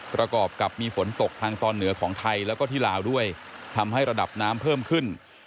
ประกอบกับมีฝนตกทางตอนเหนือของไทยแล้วก็ที่ลาวด้วยทำให้ระดับน้ำเพิ่มขึ้น